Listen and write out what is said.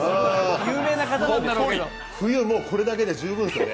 冬、もうこれだけで十分ですよね。